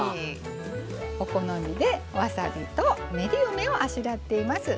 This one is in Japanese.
お好みで、わさびと練り梅をあしらっています。